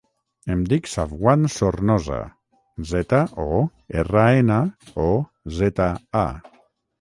Em dic Safwan Zornoza: zeta, o, erra, ena, o, zeta, a.